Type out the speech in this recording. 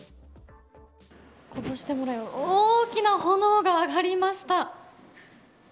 大きな炎が上がりました。